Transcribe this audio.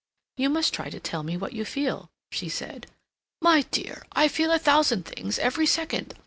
"You must try to tell me what you feel," she said. "My dear, I feel a thousand things every second.